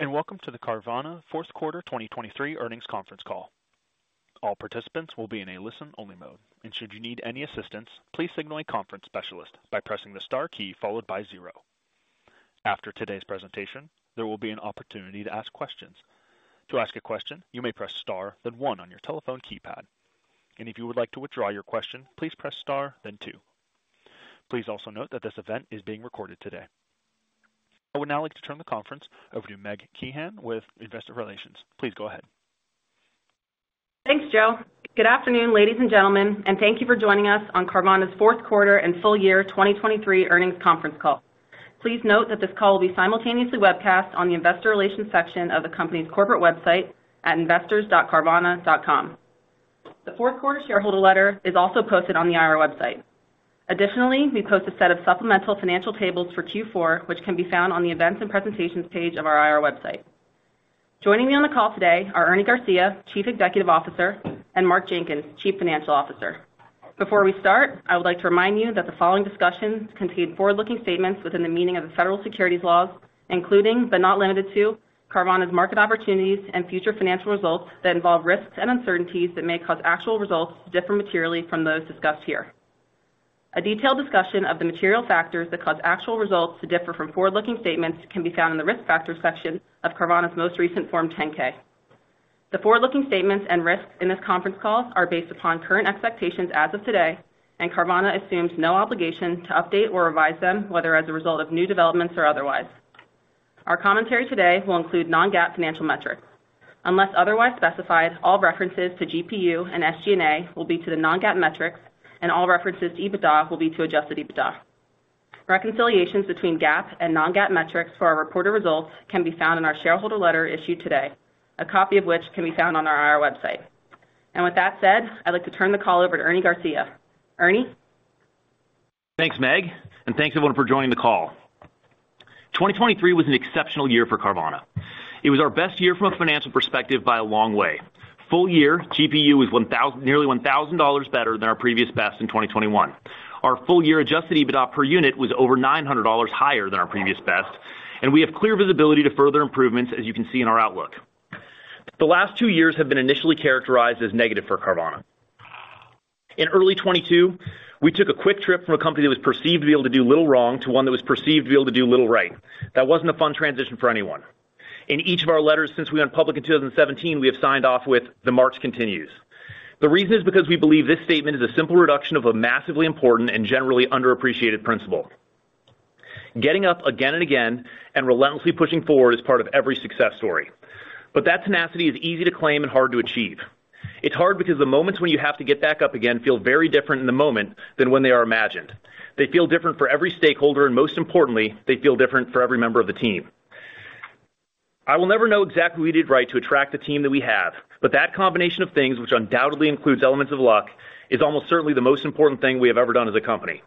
Welcome to the Carvana fourth quarter 2023 earnings conference call. All participants will be in a listen-only mode, and should you need any assistance, please signal a conference specialist by pressing the star key followed by zero. After today's presentation, there will be an opportunity to ask questions. To ask a question, you may press star, then one on your telephone keypad, and if you would like to withdraw your question, please press star, then two. Please also note that this event is being recorded today. I would now like to turn the conference over to Meg Kehan with Investor Relations. Please go ahead. Thanks, Joe. Good afternoon, ladies and gentlemen, and thank you for joining us on Carvana's fourth quarter and full year 2023 earnings conference call. Please note that this call will be simultaneously webcast on the Investor Relations section of the company's corporate website at investors.carvana.com. The fourth quarter shareholder letter is also posted on the IRO website. Additionally, we post a set of supplemental financial tables for Q4, which can be found on the events and presentations page of our IRO website. Joining me on the call today are Ernie Garcia, Chief Executive Officer, and Mark Jenkins, Chief Financial Officer. Before we start, I would like to remind you that the following discussions contain forward-looking statements within the meaning of the federal securities laws, including but not limited to Carvana's market opportunities and future financial results that involve risks and uncertainties that may cause actual results to differ materially from those discussed here. A detailed discussion of the material factors that cause actual results to differ from forward-looking statements can be found in the risk factors section of Carvana's most recent Form 10-K. The forward-looking statements and risks in this conference call are based upon current expectations as of today, and Carvana assumes no obligation to update or revise them, whether as a result of new developments or otherwise. Our commentary today will include Non-GAAP financial metrics. Unless otherwise specified, all references to GPU and SG&A will be to the non-GAAP metrics, and all references to EBITDA will be to Adjusted EBITDA. Reconciliations between GAAP and non-GAAP metrics for our reported results can be found in our shareholder letter issued today, a copy of which can be found on our IRO website. And with that said, I'd like to turn the call over to Ernie Garcia. Ernie? Thanks, Meg, and thanks everyone for joining the call. 2023 was an exceptional year for Carvana. It was our best year from a financial perspective by a long way. Full year, GPU was nearly $1,000 better than our previous best in 2021. Our full year Adjusted EBITDA per unit was over $900 higher than our previous best, and we have clear visibility to further improvements, as you can see in our outlook. The last two years have been initially characterized as negative for Carvana. In early 2022, we took a quick trip from a company that was perceived to be able to do little wrong to one that was perceived to be able to do little right. That wasn't a fun transition for anyone. In each of our letters since we went public in 2017, we have signed off with, "The march continues." The reason is because we believe this statement is a simple reduction of a massively important and generally underappreciated principle. Getting up again and again and relentlessly pushing forward is part of every success story, but that tenacity is easy to claim and hard to achieve. It's hard because the moments when you have to get back up again feel very different in the moment than when they are imagined. They feel different for every stakeholder, and most importantly, they feel different for every member of the team. I will never know exactly what we did right to attract the team that we have, but that combination of things, which undoubtedly includes elements of luck, is almost certainly the most important thing we have ever done as a company.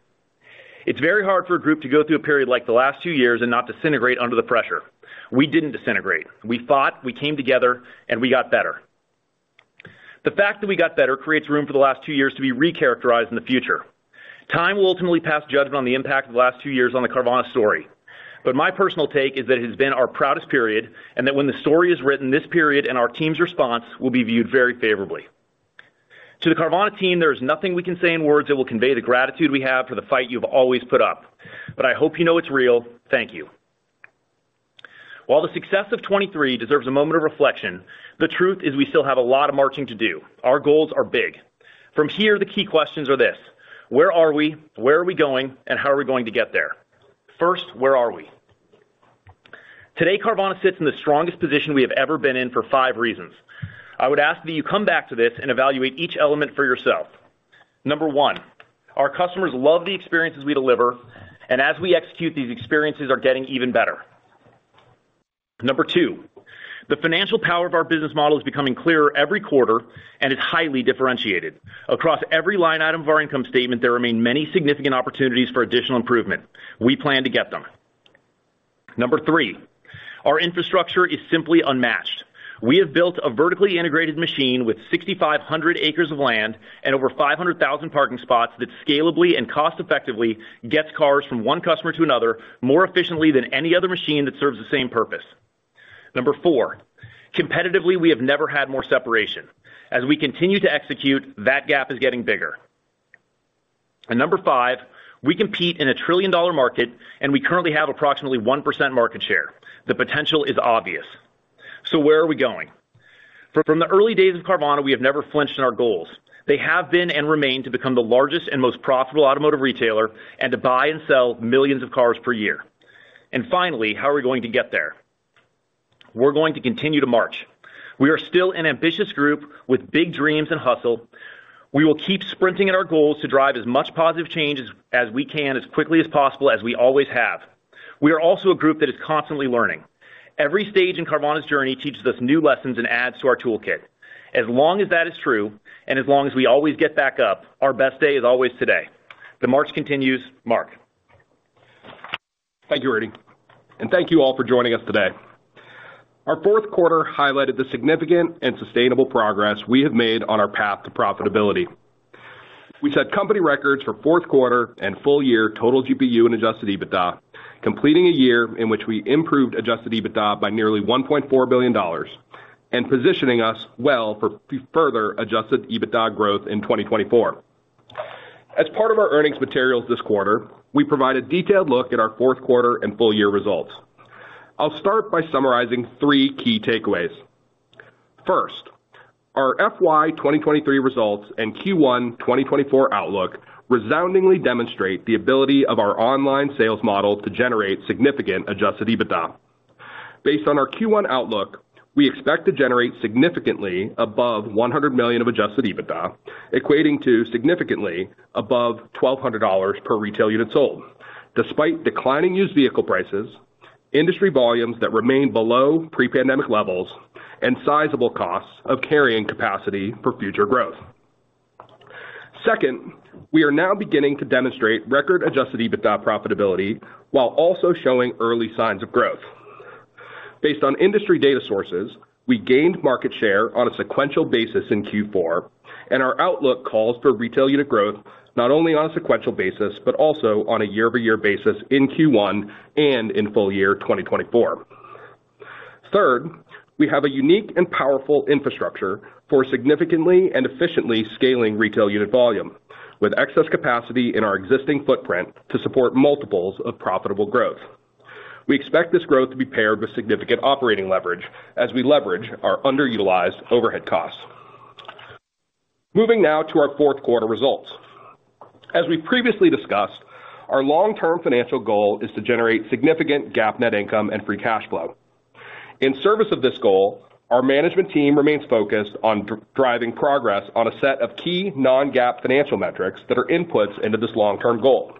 It's very hard for a group to go through a period like the last two years and not disintegrate under the pressure. We didn't disintegrate. We fought, we came together, and we got better. The fact that we got better creates room for the last two years to be recharacterized in the future. Time will ultimately pass judgment on the impact of the last two years on the Carvana story, but my personal take is that it has been our proudest period and that when the story is written, this period and our team's response will be viewed very favorably. To the Carvana team, there is nothing we can say in words that will convey the gratitude we have for the fight you have always put up, but I hope you know it's real. Thank you. While the success of 2023 deserves a moment of reflection, the truth is we still have a lot of marching to do. Our goals are big. From here, the key questions are this: Where are we? Where are we going? And how are we going to get there? First, where are we? Today, Carvana sits in the strongest position we have ever been in for five reasons. I would ask that you come back to this and evaluate each element for yourself. Number one, our customers love the experiences we deliver, and as we execute, these experiences are getting even better. Number two, the financial power of our business model is becoming clearer every quarter and is highly differentiated. Across every line item of our income statement, there remain many significant opportunities for additional improvement. We plan to get them. Number three, our infrastructure is simply unmatched. We have built a vertically integrated machine with 6,500 acres of land and over 500,000 parking spots that scalably and cost-effectively gets cars from one customer to another more efficiently than any other machine that serves the same purpose. Number four, competitively, we have never had more separation. As we continue to execute, that gap is getting bigger. Number five, we compete in a $1 trillion market, and we currently have approximately 1% market share. The potential is obvious. So where are we going? From the early days of Carvana, we have never flinched in our goals. They have been and remain to become the largest and most profitable automotive retailer and to buy and sell millions of cars per year. Finally, how are we going to get there? We're going to continue to march. We are still an ambitious group with big dreams and hustle. We will keep sprinting at our goals to drive as much positive change as we can as quickly as possible, as we always have. We are also a group that is constantly learning. Every stage in Carvana's journey teaches us new lessons and adds to our toolkit. As long as that is true and as long as we always get back up, our best day is always today. The march continues. Mark. Thank you, Ernie, and thank you all for joining us today. Our fourth quarter highlighted the significant and sustainable progress we have made on our path to profitability. We set company records for fourth quarter and full year total GPU and Adjusted EBITDA, completing a year in which we improved Adjusted EBITDA by nearly $1.4 billion and positioning us well for further Adjusted EBITDA growth in 2024. As part of our earnings materials this quarter, we provide a detailed look at our fourth quarter and full year results. I'll start by summarizing three key takeaways. First, our FY 2023 results and Q1 2024 outlook resoundingly demonstrate the ability of our online sales model to generate significant Adjusted EBITDA. Based on our Q1 outlook, we expect to generate significantly above $100 million of Adjusted EBITDA, equating to significantly above $1,200 per retail unit sold, despite declining used vehicle prices, industry volumes that remain below pre-pandemic levels, and sizable costs of carrying capacity for future growth. Second, we are now beginning to demonstrate record Adjusted EBITDA profitability while also showing early signs of growth. Based on industry data sources, we gained market share on a sequential basis in Q4, and our outlook calls for retail unit growth not only on a sequential basis but also on a year-over-year basis in Q1 and in full year 2024. Third, we have a unique and powerful infrastructure for significantly and efficiently scaling retail unit volume with excess capacity in our existing footprint to support multiples of profitable growth. We expect this growth to be paired with significant operating leverage as we leverage our underutilized overhead costs. Moving now to our fourth quarter results. As we previously discussed, our long-term financial goal is to generate significant GAAP net income and free cash flow. In service of this goal, our management team remains focused on driving progress on a set of key non-GAAP financial metrics that are inputs into this long-term goal,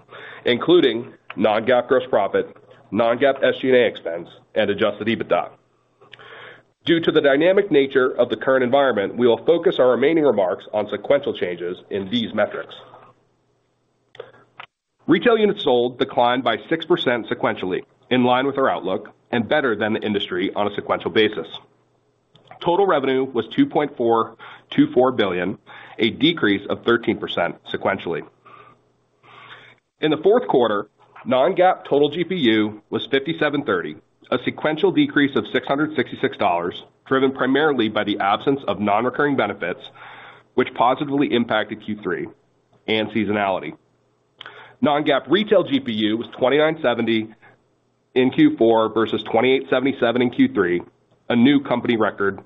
including non-GAAP gross profit, non-GAAP SG&A expense, and Adjusted EBITDA. Due to the dynamic nature of the current environment, we will focus our remaining remarks on sequential changes in these metrics. Retail units sold declined by 6% sequentially, in line with our outlook, and better than the industry on a sequential basis. Total revenue was $2.424 billion, a decrease of 13% sequentially. In the fourth quarter, non-GAAP total GPU was $5,730, a sequential decrease of $666 driven primarily by the absence of non-recurring benefits, which positively impacted Q3, and seasonality. Non-GAAP retail GPU was $2,970 in Q4 versus $2,877 in Q3, a new company record.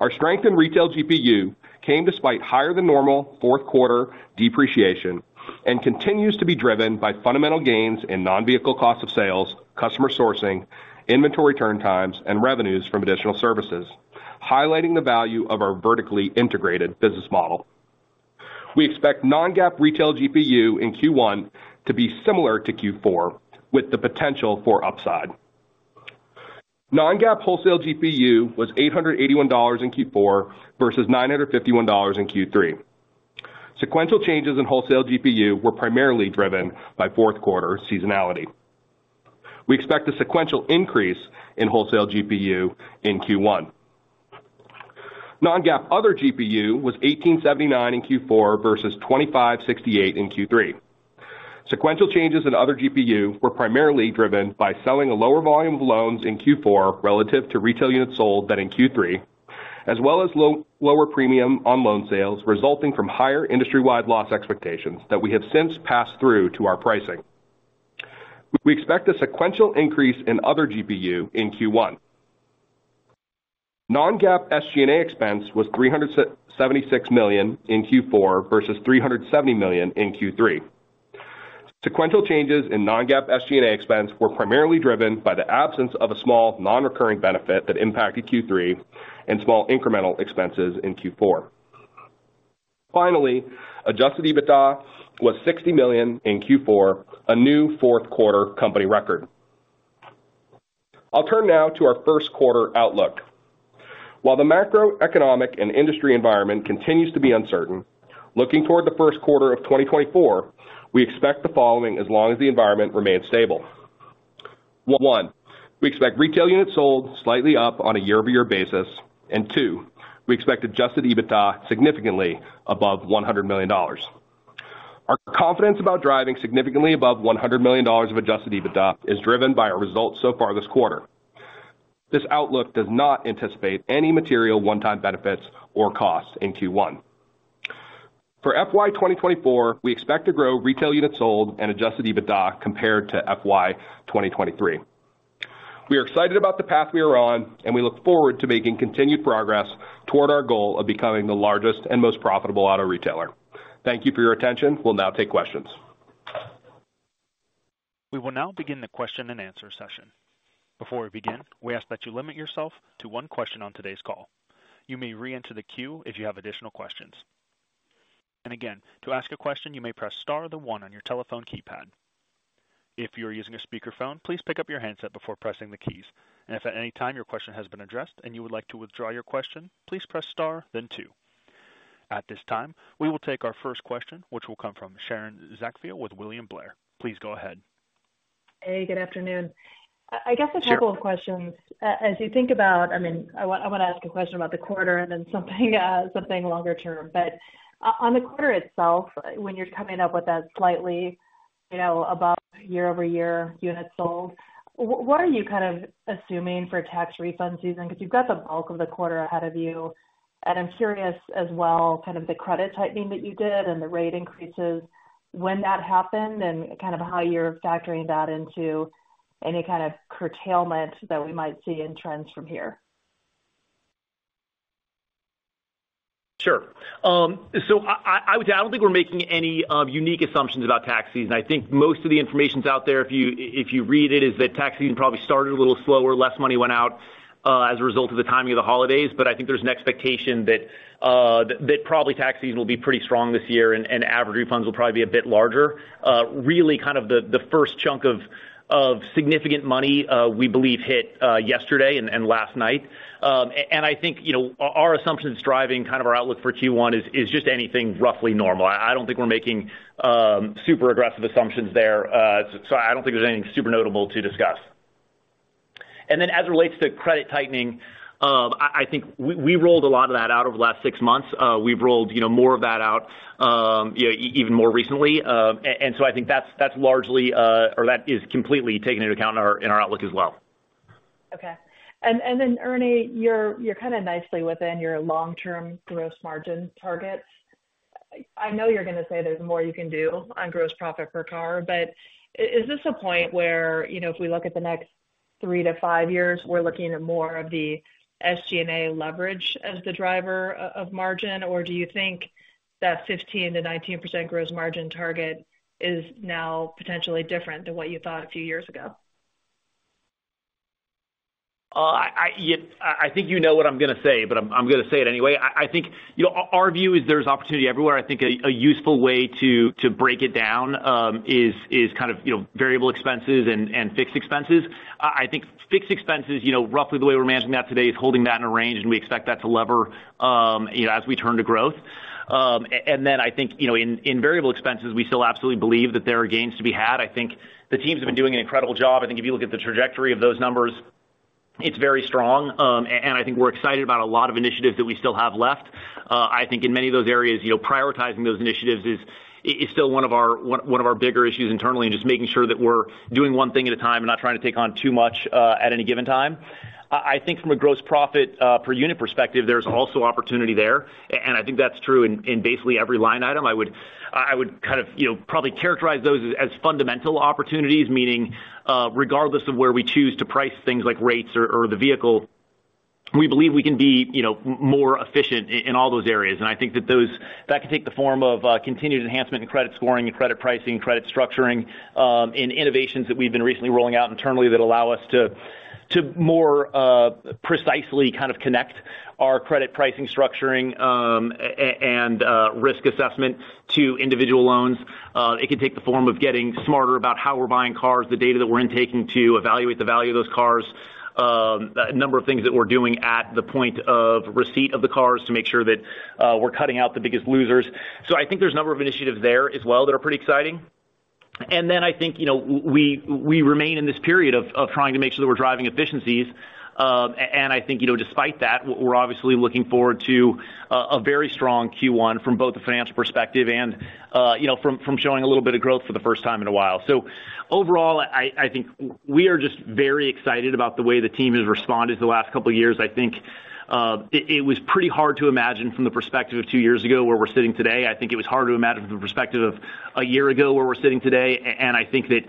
Our strength in retail GPU came despite higher-than-normal fourth quarter depreciation and continues to be driven by fundamental gains in non-vehicle cost of sales, customer sourcing, inventory turn times, and revenues from additional services, highlighting the value of our vertically integrated business model. We expect non-GAAP retail GPU in Q1 to be similar to Q4 with the potential for upside. Non-GAAP wholesale GPU was $881 in Q4 versus $951 in Q3. Sequential changes in wholesale GPU were primarily driven by fourth quarter seasonality. We expect a sequential increase in wholesale GPU in Q1. Non-GAAP other GPU was $1,879 in Q4 versus $2,568 in Q3. Sequential changes in other GPU were primarily driven by selling a lower volume of loans in Q4 relative to retail units sold than in Q3, as well as lower premium on loan sales resulting from higher industry-wide loss expectations that we have since passed through to our pricing. We expect a sequential increase in other GPU in Q1. Non-GAAP SG&A expense was $376 million in Q4 versus $370 million in Q3. Sequential changes in non-GAAP SG&A expense were primarily driven by the absence of a small non-recurring benefit that impacted Q3 and small incremental expenses in Q4. Finally, Adjusted EBITDA was $60 million in Q4, a new fourth quarter company record. I'll turn now to our first quarter outlook. While the macroeconomic and industry environment continues to be uncertain, looking toward the first quarter of 2024, we expect the following as long as the environment remains stable. One, we expect retail units sold slightly up on a year-over-year basis. And two, we expect Adjusted EBITDA significantly above $100 million. Our confidence about driving significantly above $100 million of Adjusted EBITDA is driven by our results so far this quarter. This outlook does not anticipate any material one-time benefits or costs in Q1. For FY 2024, we expect to grow retail units sold and Adjusted EBITDA compared to FY 2023. We are excited about the path we are on, and we look forward to making continued progress toward our goal of becoming the largest and most profitable auto retailer. Thank you for your attention. We'll now take questions. We will now begin the question-and-answer session. Before we begin, we ask that you limit yourself to one question on today's call. You may re-enter the queue if you have additional questions. And again, to ask a question, you may press star or the one on your telephone keypad. If you're using a speakerphone, please pick up your handset before pressing the keys. And if at any time your question has been addressed and you would like to withdraw your question, please press star, then two. At this time, we will take our first question, which will come from Sharon Zackfia with William Blair. Please go ahead. Hey, good afternoon. I guess a couple of questions. As you think about—I mean, I want to ask a question about the quarter and then something longer term. But on the quarter itself, when you're coming up with that slightly above year-over-year units sold, what are you kind of assuming for tax refund season? Because you've got the bulk of the quarter ahead of you. And I'm curious as well, kind of the credit tightening that you did and the rate increases, when that happened and kind of how you're factoring that into any kind of curtailment that we might see in trends from here? Sure. So I don't think we're making any unique assumptions about tax season. I think most of the information's out there, if you read it, is that tax season probably started a little slower, less money went out as a result of the timing of the holidays. But I think there's an expectation that probably tax season will be pretty strong this year, and average refunds will probably be a bit larger. Really, kind of the first chunk of significant money, we believe, hit yesterday and last night. And I think our assumptions driving kind of our outlook for Q1 is just anything roughly normal. I don't think we're making super aggressive assumptions there. So I don't think there's anything super notable to discuss. And then as it relates to credit tightening, I think we rolled a lot of that out over the last six months. We've rolled more of that out even more recently. I think that's largely or that is completely taken into account in our outlook as well. Okay. And then, Ernie, you're kind of nicely within your long-term gross margin targets. I know you're going to say there's more you can do on gross profit per car, but is this a point where if we look at the next three-to-five years, we're looking at more of the SG&A leverage as the driver of margin, or do you think that 15%-19% gross margin target is now potentially different than what you thought a few years ago? I think you know what I'm going to say, but I'm going to say it anyway. I think our view is there's opportunity everywhere. I think a useful way to break it down is kind of variable expenses and fixed expenses. I think fixed expenses, roughly the way we're managing that today, is holding that in a range, and we expect that to lever as we turn to growth. And then I think in variable expenses, we still absolutely believe that there are gains to be had. I think the teams have been doing an incredible job. I think if you look at the trajectory of those numbers, it's very strong. And I think we're excited about a lot of initiatives that we still have left. I think in many of those areas, prioritizing those initiatives is still one of our bigger issues internally and just making sure that we're doing one thing at a time and not trying to take on too much at any given time. I think from a Gross Profit per Unit perspective, there's also opportunity there. I think that's true in basically every line item. I would kind of probably characterize those as fundamental opportunities, meaning regardless of where we choose to price things like rates or the vehicle, we believe we can be more efficient in all those areas. I think that that can take the form of continued enhancement in credit scoring, in credit pricing, in credit structuring, in innovations that we've been recently rolling out internally that allow us to more precisely kind of connect our credit pricing structuring and risk assessment to individual loans. It can take the form of getting smarter about how we're buying cars, the data that we're intaking to evaluate the value of those cars, a number of things that we're doing at the point of receipt of the cars to make sure that we're cutting out the biggest losers. So I think there's a number of initiatives there as well that are pretty exciting. And then I think we remain in this period of trying to make sure that we're driving efficiencies. And I think despite that, we're obviously looking forward to a very strong Q1 from both the financial perspective and from showing a little bit of growth for the first time in a while. So overall, I think we are just very excited about the way the team has responded the last couple of years. I think it was pretty hard to imagine from the perspective of 2 years ago where we're sitting today. I think it was hard to imagine from the perspective of a year ago where we're sitting today. I think that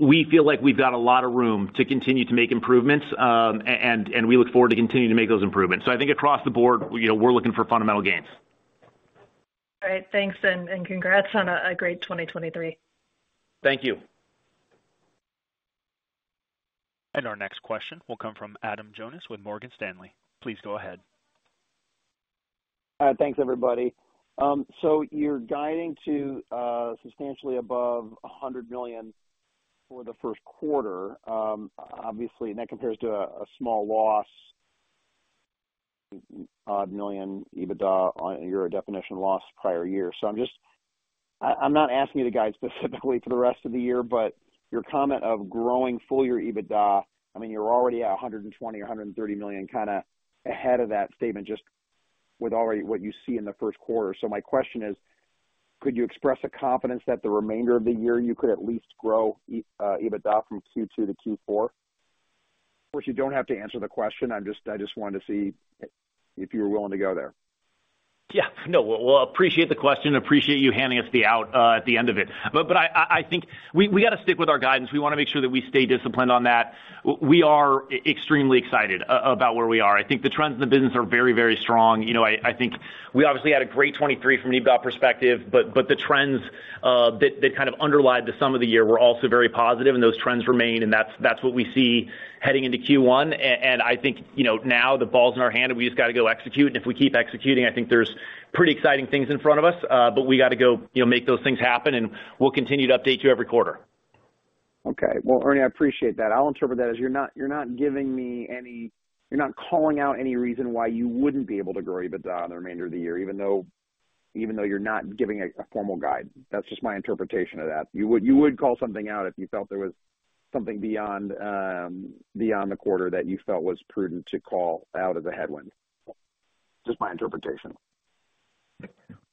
we feel like we've got a lot of room to continue to make improvements, and we look forward to continuing to make those improvements. I think across the board, we're looking for fundamental gains. All right. Thanks and congrats on a great 2023. Thank you. Our next question will come from Adam Jonas with Morgan Stanley. Please go ahead. Thanks, everybody. So you're guiding to substantially above $100 million for the first quarter, obviously, and that compares to a small loss of $1 million EBITDA on your definition loss prior year. So I'm not asking you to guide specifically for the rest of the year, but your comment of growing full year EBITDA, I mean, you're already at $120 million or $130 million kind of ahead of that statement just with what you see in the first quarter. So my question is, could you express a confidence that the remainder of the year you could at least grow EBITDA from Q2 to Q4? Of course, you don't have to answer the question. I just wanted to see if you were willing to go there. Yeah. No, we'll appreciate the question. Appreciate you handing us the out at the end of it. But I think we got to stick with our guidance. We want to make sure that we stay disciplined on that. We are extremely excited about where we are. I think the trends in the business are very, very strong. I think we obviously had a great 2023 from an EBITDA perspective, but the trends that kind of underlied the sum of the year were also very positive, and those trends remain, and that's what we see heading into Q1. And I think now the ball's in our hand, and we just got to go execute. And if we keep executing, I think there's pretty exciting things in front of us, but we got to go make those things happen, and we'll continue to update you every quarter. Okay. Well, Ernie, I appreciate that. I'll interpret that as you're not calling out any reason why you wouldn't be able to grow EBITDA on the remainder of the year, even though you're not giving a formal guide. That's just my interpretation of that. You would call something out if you felt there was something beyond the quarter that you felt was prudent to call out as a headwind. Just my interpretation.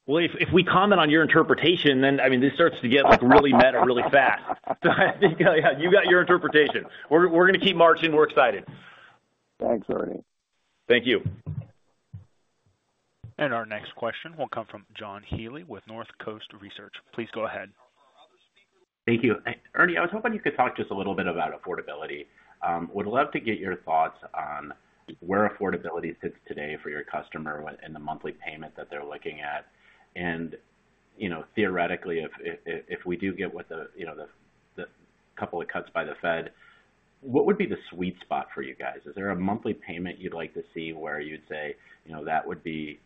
Well, if we comment on your interpretation, then I mean, this starts to get really meta really fast. So I think, yeah, you got your interpretation. We're going to keep marching. We're excited. Thanks, Ernie. Thank you. Our next question will come from John Healy with Northcoast Research. Please go ahead. Thank you. Ernie, I was hoping you could talk just a little bit about affordability. Would love to get your thoughts on where affordability sits today for your customer in the monthly payment that they're looking at. Theoretically, if we do get the couple of cuts by the Fed, what would be the sweet spot for you guys? Is there a monthly payment you'd like to see where you'd say that would be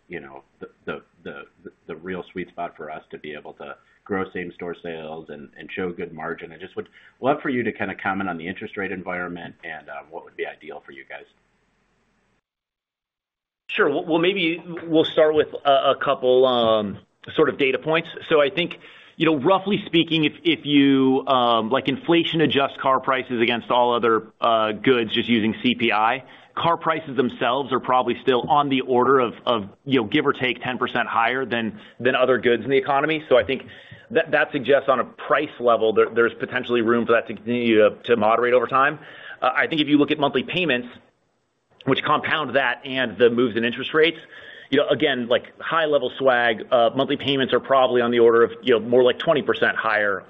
the real sweet spot for us to be able to grow same-store sales and show good margin? I just would love for you to kind of comment on the interest rate environment and what would be ideal for you guys. Sure. Well, maybe we'll start with a couple sort of data points. So I think, roughly speaking, if you inflation-adjust car prices against all other goods just using CPI, car prices themselves are probably still on the order of, give or take, 10% higher than other goods in the economy. So I think that suggests on a price level, there's potentially room for that to continue to moderate over time. I think if you look at monthly payments, which compound that and the moves in interest rates, again, high-level swag, monthly payments are probably on the order of more like 20% higher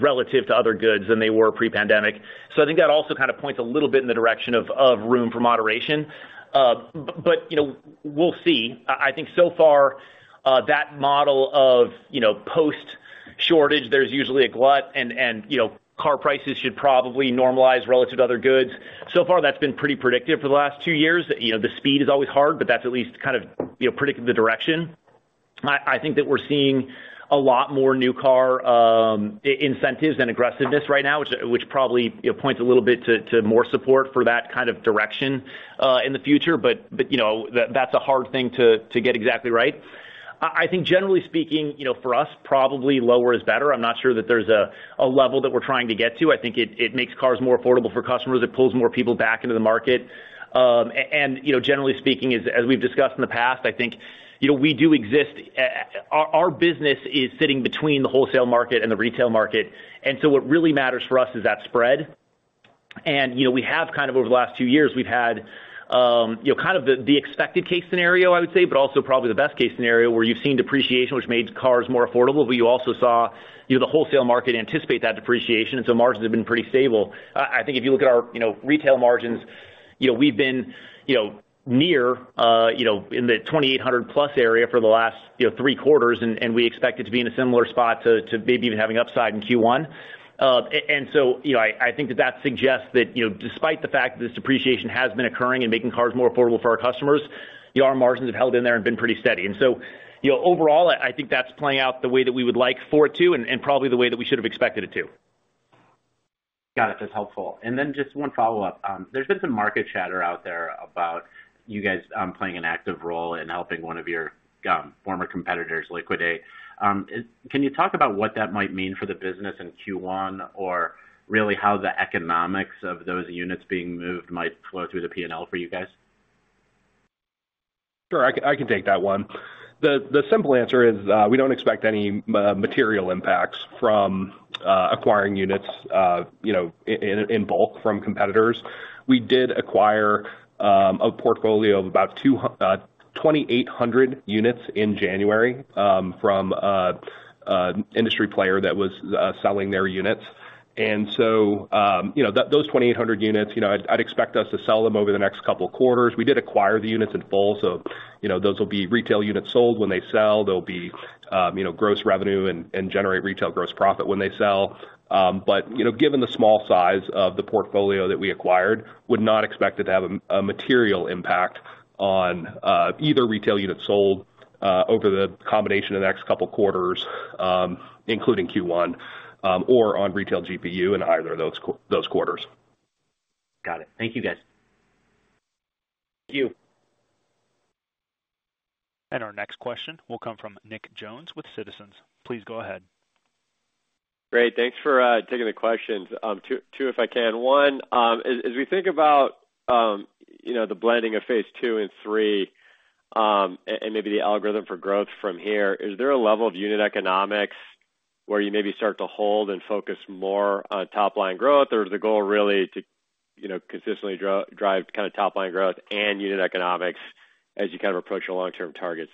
relative to other goods than they were pre-pandemic. So I think that also kind of points a little bit in the direction of room for moderation. But we'll see. I think so far, that model of post-shortage, there's usually a glut, and car prices should probably normalize relative to other goods. So far, that's been pretty predictive for the last two years. The speed is always hard, but that's at least kind of predicted the direction. I think that we're seeing a lot more new car incentives and aggressiveness right now, which probably points a little bit to more support for that kind of direction in the future. But that's a hard thing to get exactly right. I think, generally speaking, for us, probably lower is better. I'm not sure that there's a level that we're trying to get to. I think it makes cars more affordable for customers. It pulls more people back into the market. Generally speaking, as we've discussed in the past, I think we do. Our business is sitting between the wholesale market and the retail market. So what really matters for us is that spread. We have kind of over the last two years, we've had kind of the expected case scenario, I would say, but also probably the best-case scenario where you've seen depreciation, which made cars more affordable, but you also saw the wholesale market anticipate that depreciation. So margins have been pretty stable. I think if you look at our retail margins, we've been near in the $2,800+ area for the last three quarters, and we expect it to be in a similar spot to maybe even having upside in Q1. And so I think that that suggests that despite the fact that this depreciation has been occurring and making cars more affordable for our customers, our margins have held in there and been pretty steady. And so overall, I think that's playing out the way that we would like for it to and probably the way that we should have expected it to. Got it. That's helpful. And then just one follow-up. There's been some market chatter out there about you guys playing an active role in helping one of your former competitors liquidate. Can you talk about what that might mean for the business in Q1 or really how the economics of those units being moved might flow through the P&L for you guys? Sure. I can take that one. The simple answer is we don't expect any material impacts from acquiring units in bulk from competitors. We did acquire a portfolio of about 2,800 units in January from an industry player that was selling their units. And so those 2,800 units, I'd expect us to sell them over the next couple of quarters. We did acquire the units in full. So those will be retail units sold when they sell. They'll be gross revenue and generate retail gross profit when they sell. But given the small size of the portfolio that we acquired, would not expect it to have a material impact on either retail units sold over the combination of the next couple of quarters, including Q1, or on retail GPU in either of those quarters. Got it. Thank you, guys. Thank you. Our next question will come from Nick Jones with Citizens. Please go ahead. Great. Thanks for taking the questions. Two, if I can. One, as we think about the blending of phase two and three and maybe the algorithm for growth from here, is there a level of unit economics where you maybe start to hold and focus more on top-line growth, or is the goal really to consistently drive kind of top-line growth and unit economics as you kind of approach your long-term targets?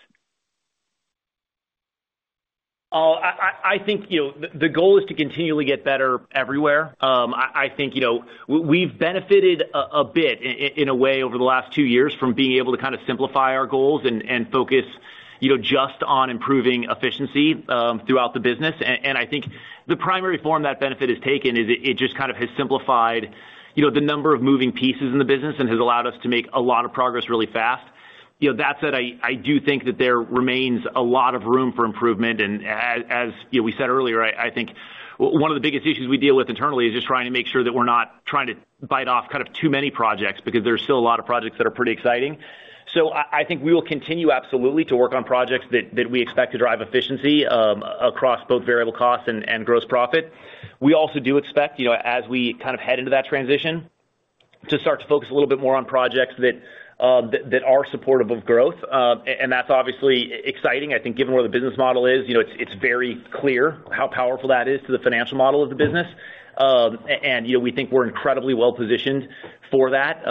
I think the goal is to continually get better everywhere. I think we've benefited a bit in a way over the last two years from being able to kind of simplify our goals and focus just on improving efficiency throughout the business. I think the primary form that benefit has taken is it just kind of has simplified the number of moving pieces in the business and has allowed us to make a lot of progress really fast. That said, I do think that there remains a lot of room for improvement. As we said earlier, I think one of the biggest issues we deal with internally is just trying to make sure that we're not trying to bite off kind of too many projects because there's still a lot of projects that are pretty exciting. So I think we will continue, absolutely, to work on projects that we expect to drive efficiency across both variable costs and gross profit. We also do expect, as we kind of head into that transition, to start to focus a little bit more on projects that are supportive of growth. And that's obviously exciting. I think given where the business model is, it's very clear how powerful that is to the financial model of the business. And we think we're incredibly well-positioned for that.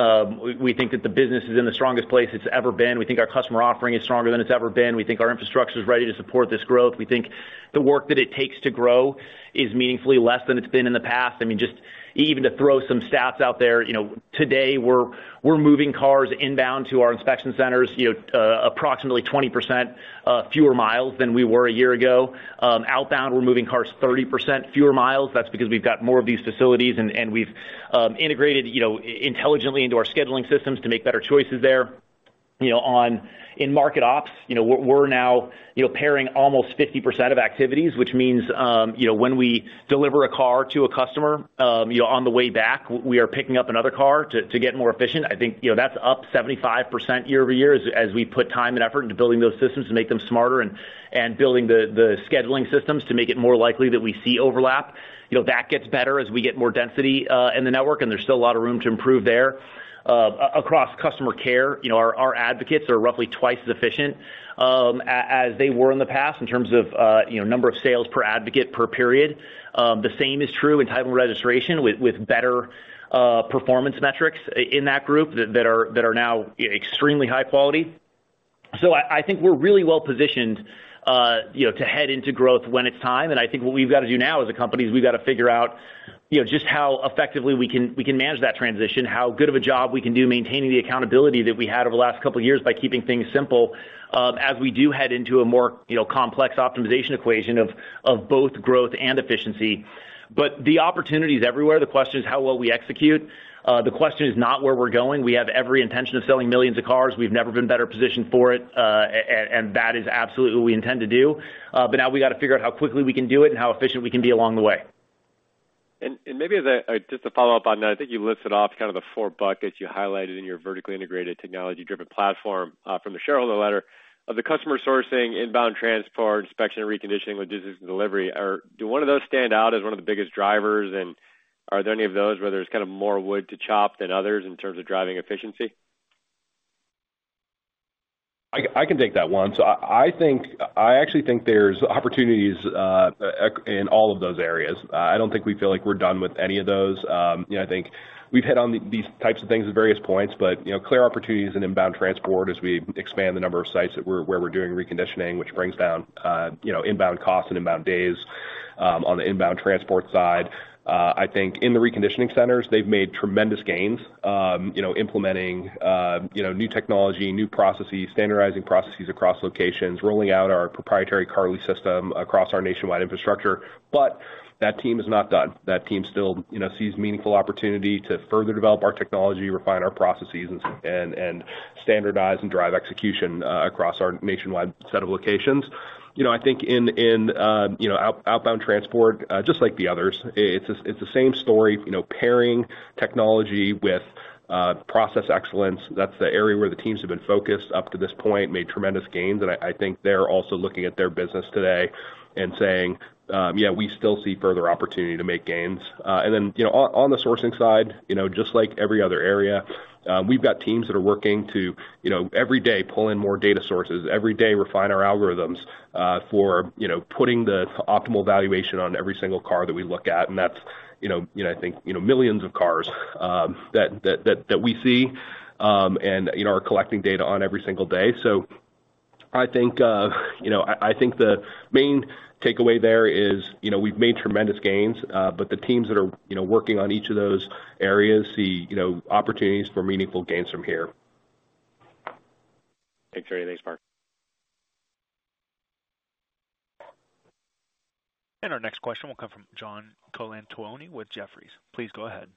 We think that the business is in the strongest place it's ever been. We think our customer offering is stronger than it's ever been. We think our infrastructure is ready to support this growth. We think the work that it takes to grow is meaningfully less than it's been in the past. I mean, just even to throw some stats out there, today, we're moving cars inbound to our inspection centers approximately 20% fewer miles than we were a year ago. Outbound, we're moving cars 30% fewer miles. That's because we've got more of these facilities, and we've integrated intelligently into our scheduling systems to make better choices there. In market ops, we're now pairing almost 50% of activities, which means when we deliver a car to a customer on the way back, we are picking up another car to get more efficient. I think that's up 75% year-over-year as we put time and effort into building those systems to make them smarter and building the scheduling systems to make it more likely that we see overlap. That gets better as we get more density in the network, and there's still a lot of room to improve there. Across customer care, our advocates are roughly twice as efficient as they were in the past in terms of number of sales per advocate per period. The same is true in title and registration with better performance metrics in that group that are now extremely high quality. So I think we're really well-positioned to head into growth when it's time. And I think what we've got to do now as a company is we've got to figure out just how effectively we can manage that transition, how good of a job we can do maintaining the accountability that we had over the last couple of years by keeping things simple as we do head into a more complex optimization equation of both growth and efficiency. But the opportunity is everywhere. The question is how well we execute. The question is not where we're going. We have every intention of selling millions of cars. We've never been better positioned for it, and that is absolutely what we intend to do. But now we got to figure out how quickly we can do it and how efficient we can be along the way. Maybe just to follow up on that, I think you listed off kind of the four buckets you highlighted in your vertically integrated technology-driven platform from the shareholder letter of the customer sourcing, inbound transport, inspection, and reconditioning logistics and delivery. Does one of those stand out as one of the biggest drivers? And are there any of those where there's kind of more wood to chop than others in terms of driving efficiency? I can take that one. So I actually think there's opportunities in all of those areas. I don't think we feel like we're done with any of those. I think we've hit on these types of things at various points, but clear opportunities in inbound transport as we expand the number of sites where we're doing reconditioning, which brings down inbound costs and inbound days on the inbound transport side. I think in the reconditioning centers, they've made tremendous gains implementing new technology, new processes, standardizing processes across locations, rolling out our proprietary CARLI system across our nationwide infrastructure. But that team is not done. That team still sees meaningful opportunity to further develop our technology, refine our processes, and standardize and drive execution across our nationwide set of locations. I think in outbound transport, just like the others, it's the same story, pairing technology with process excellence. That's the area where the teams have been focused up to this point, made tremendous gains. I think they're also looking at their business today and saying, "Yeah, we still see further opportunity to make gains." Then on the sourcing side, just like every other area, we've got teams that are working to every day pull in more data sources, every day refine our algorithms for putting the optimal valuation on every single car that we look at. And that's, I think, millions of cars that we see and are collecting data on every single day. So I think the main takeaway there is we've made tremendous gains, but the teams that are working on each of those areas see opportunities for meaningful gains from here. Thanks, Ernie. Thanks, Mark. Our next question will come from John Colantuoni with Jefferies. Please go ahead.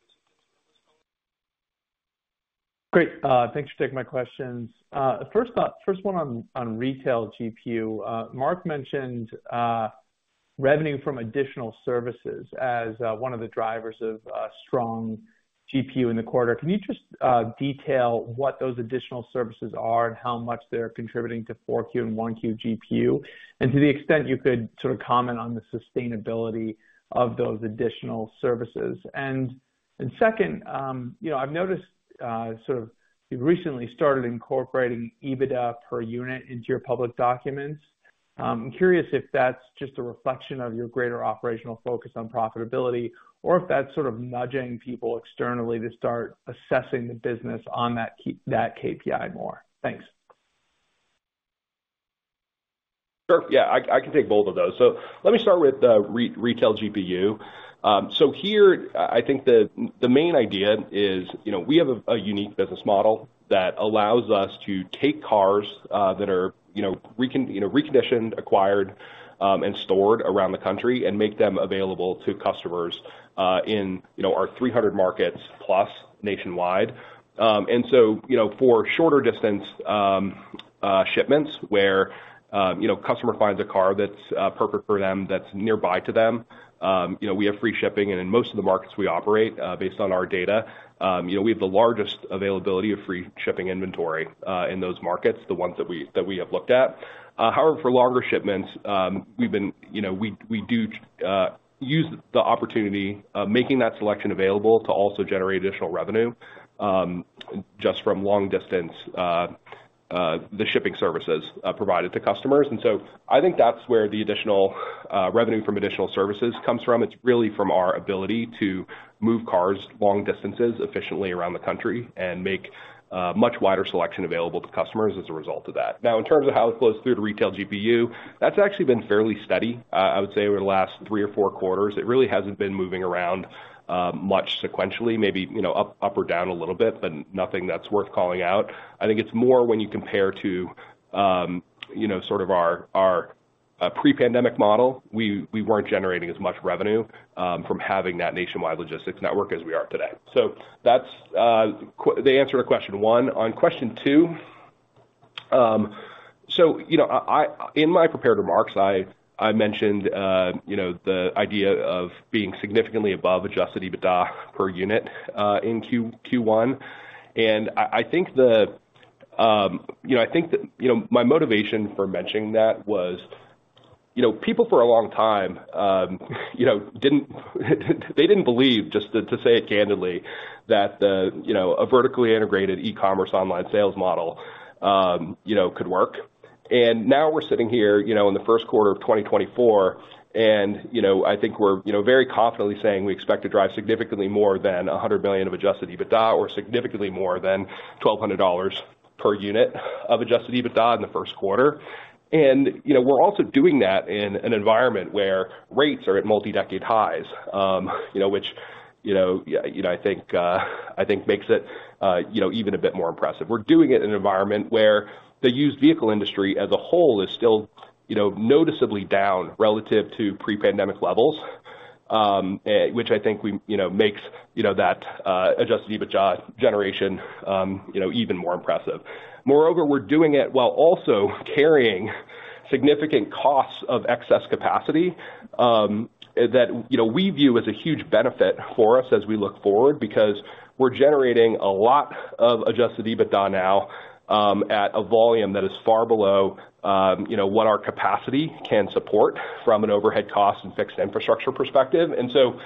Great. Thanks for taking my questions. First one on retail GPU. Mark mentioned revenue from additional services as one of the drivers of strong GPU in the quarter. Can you just detail what those additional services are and how much they're contributing to 4Q and 1Q GPU and to the extent you could sort of comment on the sustainability of those additional services? And second, I've noticed sort of you've recently started incorporating EBITDA per unit into your public documents. I'm curious if that's just a reflection of your greater operational focus on profitability or if that's sort of nudging people externally to start assessing the business on that KPI more. Thanks. Sure. Yeah. I can take both of those. So let me start with retail GPU. So here, I think the main idea is we have a unique business model that allows us to take cars that are reconditioned, acquired, and stored around the country and make them available to customers in our 300 markets plus nationwide. And so for shorter distance shipments where a customer finds a car that's perfect for them, that's nearby to them, we have free shipping. And in most of the markets we operate, based on our data, we have the largest availability of free shipping inventory in those markets, the ones that we have looked at. However, for longer shipments, we do use the opportunity, making that selection available, to also generate additional revenue just from long-distance shipping services provided to customers. And so I think that's where the additional revenue from additional services comes from. It's really from our ability to move cars long distances efficiently around the country and make a much wider selection available to customers as a result of that. Now, in terms of how it flows through to retail GPU, that's actually been fairly steady, I would say, over the last three or four quarters. It really hasn't been moving around much sequentially, maybe up or down a little bit, but nothing that's worth calling out. I think it's more when you compare to sort of our pre-pandemic model, we weren't generating as much revenue from having that nationwide logistics network as we are today. So that's the answer to question one. On question two, so in my prepared remarks, I mentioned the idea of being significantly above Adjusted EBITDA per unit in Q1. And I think that my motivation for mentioning that was people for a long time, they didn't believe, just to say it candidly, that a vertically integrated e-commerce online sales model could work. Now we're sitting here in the first quarter of 2024, and I think we're very confidently saying we expect to drive significantly more than $100 million of Adjusted EBITDA or significantly more than $1,200 per unit of Adjusted EBITDA in the first quarter. And we're also doing that in an environment where rates are at multi-decade highs, which I think makes it even a bit more impressive. We're doing it in an environment where the used vehicle industry as a whole is still noticeably down relative to pre-pandemic levels, which I think makes that Adjusted EBITDA generation even more impressive. Moreover, we're doing it while also carrying significant costs of excess capacity that we view as a huge benefit for us as we look forward because we're generating a lot of Adjusted EBITDA now at a volume that is far below what our capacity can support from an overhead cost and fixed infrastructure perspective. And so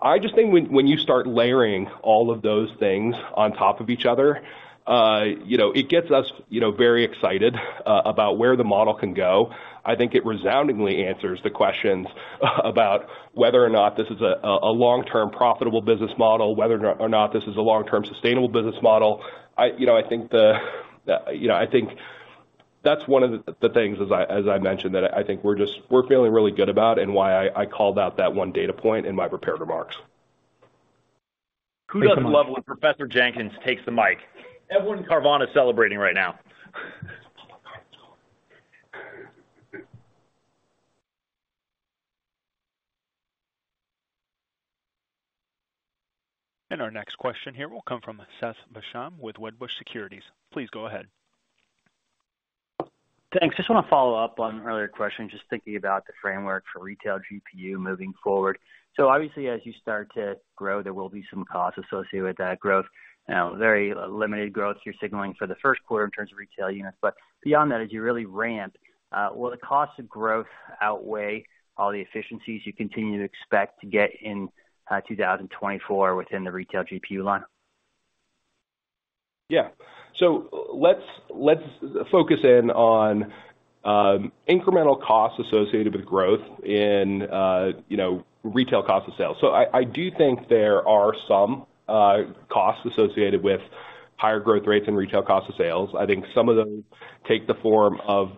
I just think when you start layering all of those things on top of each other, it gets us very excited about where the model can go. I think it resoundingly answers the questions about whether or not this is a long-term profitable business model, whether or not this is a long-term sustainable business model. I think that's one of the things, as I mentioned, that I think we're feeling really good about and why I called out that one data point in my prepared remarks. Who doesn't love when Professor Jenkins takes the mic? Everyone in Carvana is celebrating right now. Our next question here will come from Seth Basham with Wedbush Securities. Please go ahead. Thanks. Just want to follow up on earlier questions, just thinking about the framework for retail GPU moving forward. So obviously, as you start to grow, there will be some costs associated with that growth, very limited growth you're signaling for the first quarter in terms of retail units. But beyond that, as you really ramp, will the costs of growth outweigh all the efficiencies you continue to expect to get in 2024 within the retail GPU line? Yeah. So let's focus in on incremental costs associated with growth in retail cost of sales. So I do think there are some costs associated with higher growth rates and retail cost of sales. I think some of those take the form of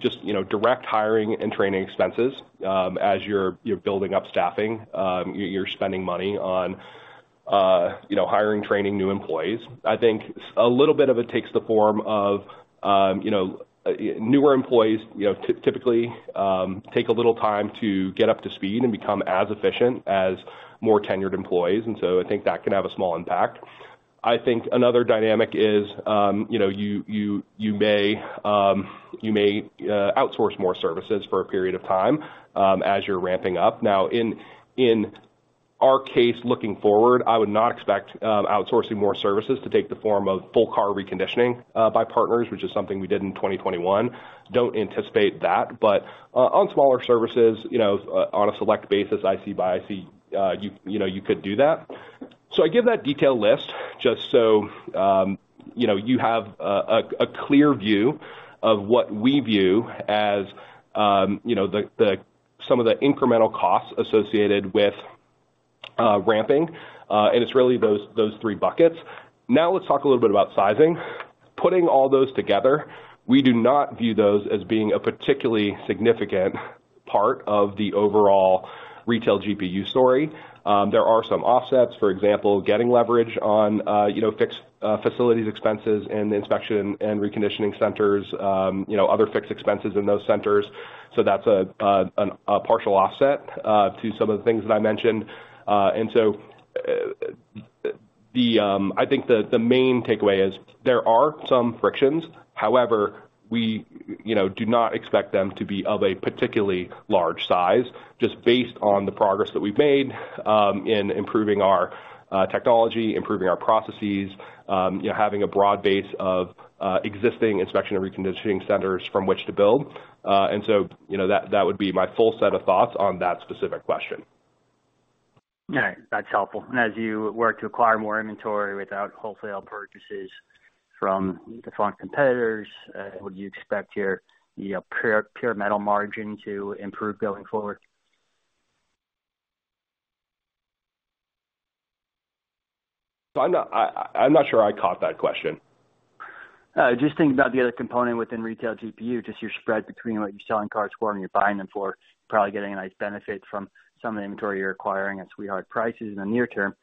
just direct hiring and training expenses as you're building up staffing. You're spending money on hiring, training new employees. I think a little bit of it takes the form of newer employees typically take a little time to get up to speed and become as efficient as more tenured employees. So I think that can have a small impact. I think another dynamic is you may outsource more services for a period of time as you're ramping up. Now, in our case, looking forward, I would not expect outsourcing more services to take the form of full-car reconditioning by partners, which is something we did in 2021. Don't anticipate that. But on smaller services, on a select basis, I see you could do that. So I give that detailed list just so you have a clear view of what we view as some of the incremental costs associated with ramping. And it's really those three buckets. Now, let's talk a little bit about sizing. Putting all those together, we do not view those as being a particularly significant part of the overall retail GPU story. There are some offsets, for example, getting leverage on fixed facilities expenses in the inspection and reconditioning centers, other fixed expenses in those centers. So that's a partial offset to some of the things that I mentioned. And so I think the main takeaway is there are some frictions. However, we do not expect them to be of a particularly large size just based on the progress that we've made in improving our technology, improving our processes, having a broad base of existing inspection and reconditioning centers from which to build. And so that would be my full set of thoughts on that specific question. All right. That's helpful. As you work to acquire more inventory without wholesale purchases from direct competitors, would you expect here the pure metal margin to improve going forward? I'm not sure I caught that question. Just thinking about the other component within retail GPU, just your spread between what you're selling cars for and you're buying them for, you're probably getting a nice benefit from some of the inventory you're acquiring at sweetheart prices in the near term.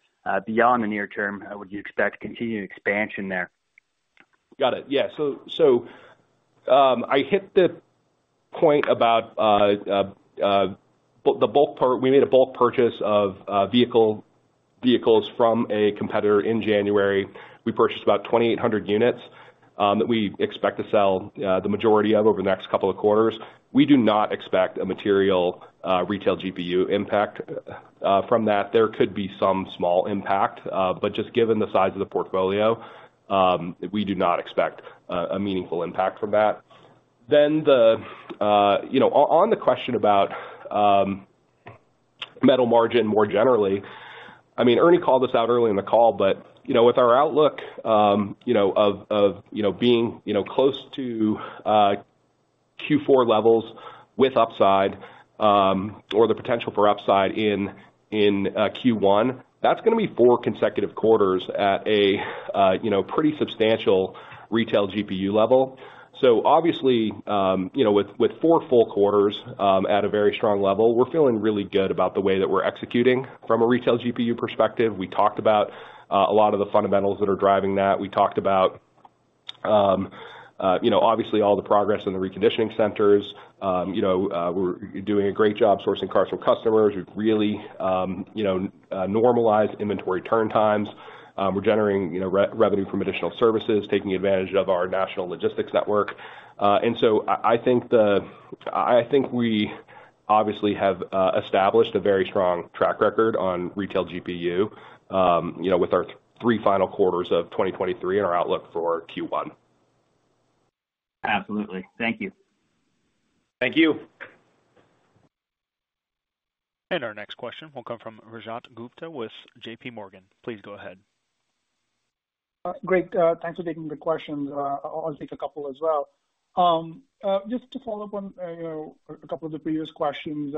Beyond the near term, would you expect continued expansion there? Got it. Yeah. So I hit the point about the bulk part. We made a bulk purchase of vehicles from a competitor in January. We purchased about 2,800 units that we expect to sell the majority of over the next couple of quarters. We do not expect a material retail GPU impact from that. There could be some small impact, but just given the size of the portfolio, we do not expect a meaningful impact from that. Then on the question about metal margin more generally, I mean, Ernie called this out early in the call, but with our outlook of being close to Q4 levels with upside or the potential for upside in Q1, that's going to be four consecutive quarters at a pretty substantial retail GPU level. So obviously, with four full quarters at a very strong level, we're feeling really good about the way that we're executing from a retail GPU perspective. We talked about a lot of the fundamentals that are driving that. We talked about, obviously, all the progress in the reconditioning centers. We're doing a great job sourcing cars from customers. We've really normalized inventory turn times. We're generating revenue from additional services, taking advantage of our national logistics network. And so I think we obviously have established a very strong track record on retail GPU with our three final quarters of 2023 and our outlook for Q1. Absolutely. Thank you. Thank you. Our next question will come from Rajat Gupta with JPMorgan. Please go ahead. Great. Thanks for taking the questions. I'll take a couple as well. Just to follow up on a couple of the previous questions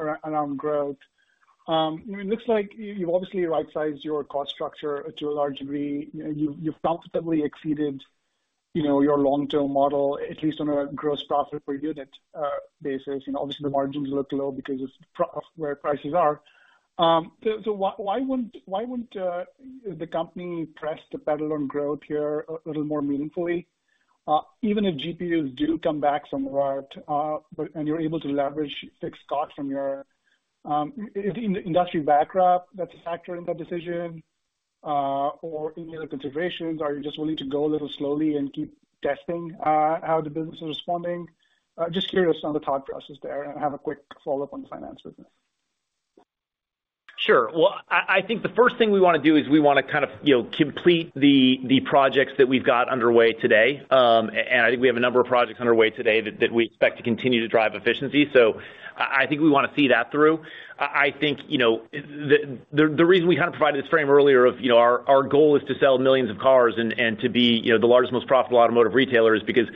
around growth, it looks like you've obviously right-sized your cost structure to a large degree. You've comfortably exceeded your long-term model, at least on a gross profit per unit basis. Obviously, the margins look low because of where prices are. So why wouldn't the company press the pedal on growth here a little more meaningfully, even if GPUs do come back somewhat, and you're able to leverage fixed costs from your industry backdrop? That's a factor in that decision? Or any other considerations? Are you just willing to go a little slowly and keep testing how the business is responding? Just curious on the thought process there and have a quick follow-up on the finance business. Sure. Well, I think the first thing we want to do is we want to kind of complete the projects that we've got underway today. And I think we have a number of projects underway today that we expect to continue to drive efficiency. So I think we want to see that through. I think the reason we kind of provided this frame earlier of our goal is to sell millions of cars and to be the largest, most profitable automotive retailer is because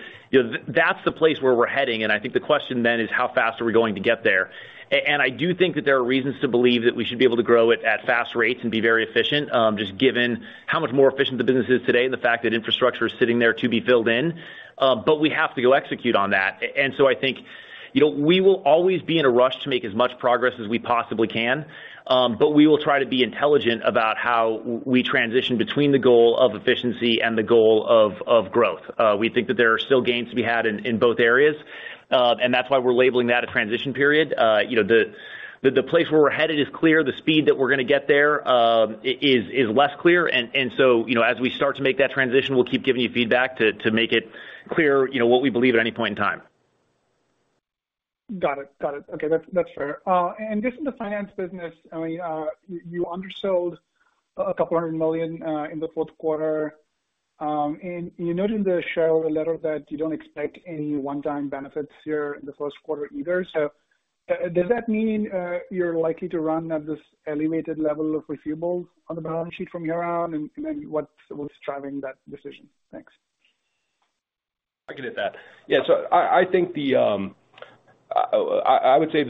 that's the place where we're heading. And I think the question then is, how fast are we going to get there? I do think that there are reasons to believe that we should be able to grow at fast rates and be very efficient, just given how much more efficient the business is today and the fact that infrastructure is sitting there to be filled in. But we have to go execute on that. So I think we will always be in a rush to make as much progress as we possibly can. But we will try to be intelligent about how we transition between the goal of efficiency and the goal of growth. We think that there are still gains to be had in both areas. That's why we're labeling that a transition period. The place where we're headed is clear. The speed that we're going to get there is less clear. As we start to make that transition, we'll keep giving you feedback to make it clear what we believe at any point in time. Got it. Got it. Okay. That's fair. And just in the finance business, I mean, you undersold $200 million in the fourth quarter. And you noted in the shareholder letter that you don't expect any one-time benefits here in the first quarter either. So does that mean you're likely to run at this elevated level of refis on the balance sheet from here on? And then what's driving that decision? Thanks. I can hit that. Yeah. So I think the, I would say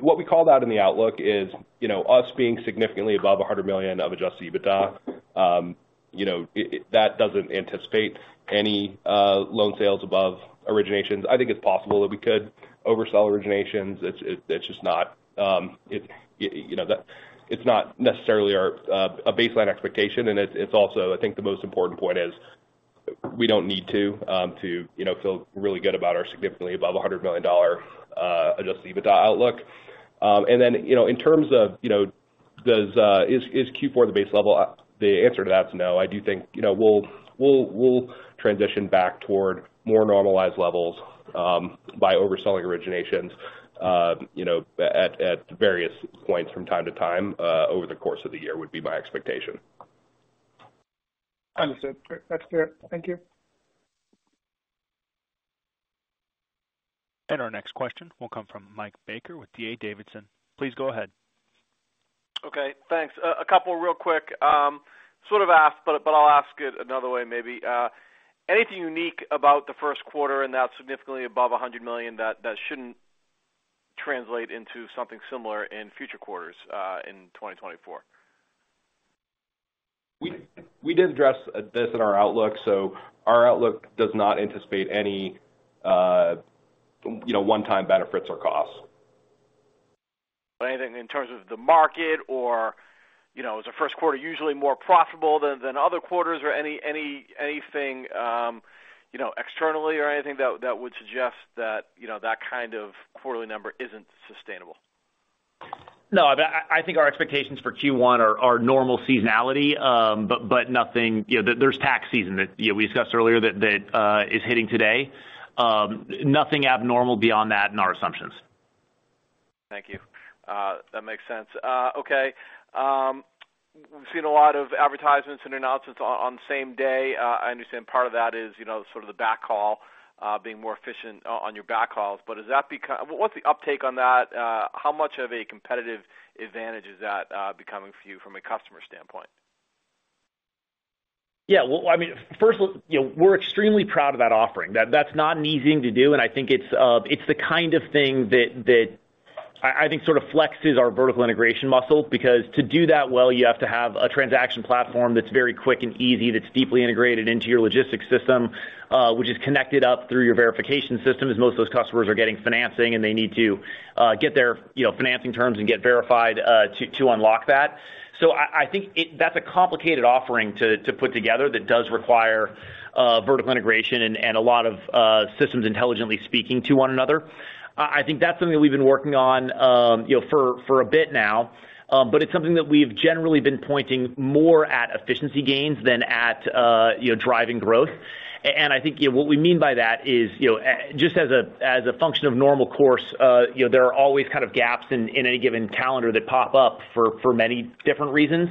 what we called out in the outlook is us being significantly above $100 million of Adjusted EBITDA. That doesn't anticipate any loan sales above originations. I think it's possible that we could oversell originations. It's just not necessarily a baseline expectation. And it's also, I think, the most important point is we don't need to feel really good about our significantly above $100 million Adjusted EBITDA outlook. And then in terms of is Q4 the base level? The answer to that's no. I do think we'll transition back toward more normalized levels by overselling originations at various points from time to time over the course of the year would be my expectation. Understood. That's fair. Thank you. Our next question will come from Mike Baker with D.A. Davidson. Please go ahead. Okay. Thanks. A couple real quick. Sort of asked, but I'll ask it another way maybe. Anything unique about the first quarter and that significantly above $100 million that shouldn't translate into something similar in future quarters in 2024? We did address this in our outlook. Our outlook does not anticipate any one-time benefits or costs. Anything in terms of the market or is the first quarter usually more profitable than other quarters or anything externally or anything that would suggest that that kind of quarterly number isn't sustainable? No. I mean, I think our expectations for Q1 are normal seasonality, but nothing, there's tax season that we discussed earlier that is hitting today. Nothing abnormal beyond that in our assumptions. Thank you. That makes sense. Okay. We've seen a lot of advertisements and announcements on the same day. I understand part of that is sort of the backhaul being more efficient on your backhauls. But is that what's the uptake on that? How much of a competitive advantage is that becoming for you from a customer standpoint? Yeah. Well, I mean, first, we're extremely proud of that offering. That's not an easy thing to do. I think it's the kind of thing that I think sort of flexes our vertical integration muscle because to do that well, you have to have a transaction platform that's very quick and easy, that's deeply integrated into your logistics system, which is connected up through your verification system as most of those customers are getting financing and they need to get their financing terms and get verified to unlock that. So I think that's a complicated offering to put together that does require vertical integration and a lot of systems intelligently speaking to one another. I think that's something that we've been working on for a bit now. But it's something that we've generally been pointing more at efficiency gains than at driving growth. I think what we mean by that is just as a function of normal course, there are always kind of gaps in any given calendar that pop up for many different reasons.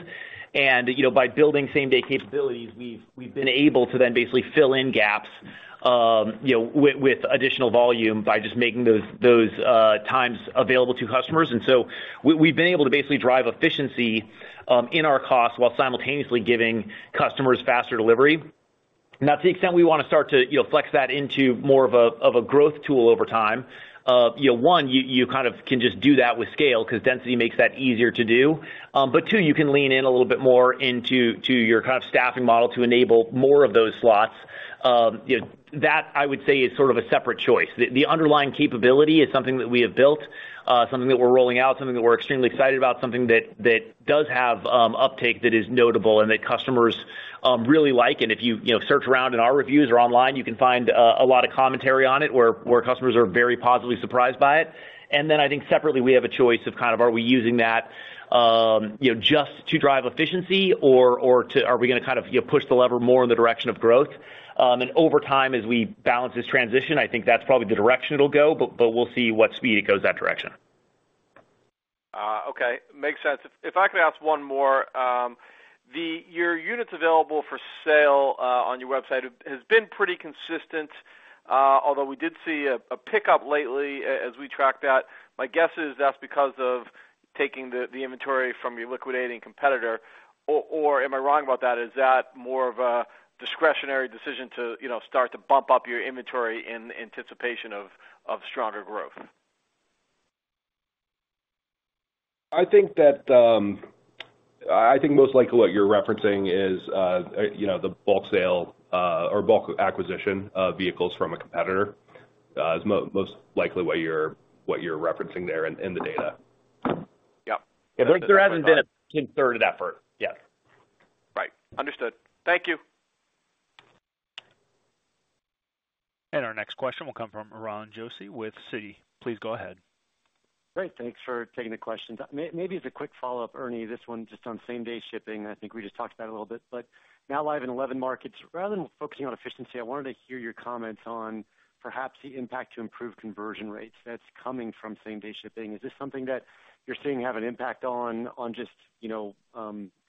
And by building same-day capabilities, we've been able to then basically fill in gaps with additional volume by just making those times available to customers. And so we've been able to basically drive efficiency in our costs while simultaneously giving customers faster delivery. And that's the extent we want to start to flex that into more of a growth tool over time. One, you kind of can just do that with scale because density makes that easier to do. But two, you can lean in a little bit more into your kind of staffing model to enable more of those slots. That, I would say, is sort of a separate choice. The underlying capability is something that we have built, something that we're rolling out, something that we're extremely excited about, something that does have uptake that is notable and that customers really like. And if you search around in our reviews or online, you can find a lot of commentary on it where customers are very positively surprised by it. And then I think separately, we have a choice of kind of are we using that just to drive efficiency or are we going to kind of push the lever more in the direction of growth? And over time, as we balance this transition, I think that's probably the direction it'll go. But we'll see what speed it goes that direction. Okay. Makes sense. If I could ask one more, your units available for sale on your website has been pretty consistent, although we did see a pickup lately as we tracked that. My guess is that's because of taking the inventory from your liquidating competitor. Or am I wrong about that? Is that more of a discretionary decision to start to bump up your inventory in anticipation of stronger growth? I think most likely what you're referencing is the bulk sale or bulk acquisition of vehicles from a competitor. Is most likely what you're referencing there in the data. Yep. There hasn't been a concerted effort yet. Right. Understood. Thank you. Our next question will come from Ron Josey with Citi. Please go ahead. Great. Thanks for taking the questions. Maybe as a quick follow-up, Ernie, this one just on same-day shipping. I think we just talked about it a little bit. But now live in 11 markets, rather than focusing on efficiency, I wanted to hear your comments on perhaps the impact to improve conversion rates that's coming from same-day shipping. Is this something that you're seeing have an impact on just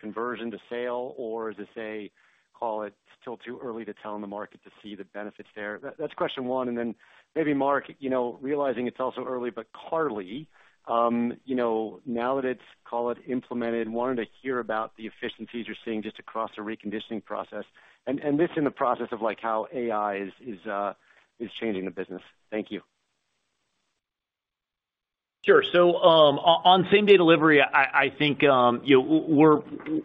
conversion to sale? Or is this, call it, still too early to tell in the market to see the benefits there? That's question one. And then maybe, Mark, realizing it's also early, but CARLI, now that it's, call it, implemented, wanted to hear about the efficiencies you're seeing just across the reconditioning process and this in the process of how AI is changing the business. Thank you. Sure. So on same-day delivery, I think we'll